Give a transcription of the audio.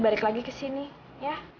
balik lagi kesini ya